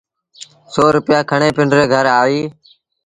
سو روپيآ کڻي پنڊري گھر آئيٚ